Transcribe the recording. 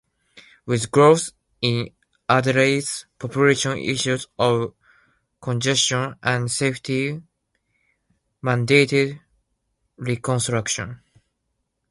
With growth in Adelaide's population issues of congestion and safety mandated reconstruction.